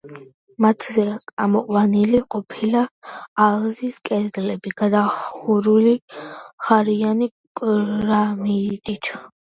მათზე ამოყვანილი ყოფილა ალიზის კედლები, გადახურული ღარიანი კრამიტით.